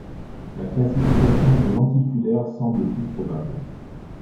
La classification de lenticulaire semble plus probable.